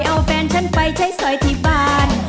เอาแฟนฉันไปใช้สอยที่บ้าน